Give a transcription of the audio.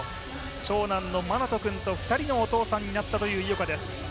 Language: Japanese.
長男の磨永翔君と２人のお父さんになった井岡です。